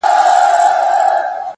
هره موخه د قربانۍ قیمت لري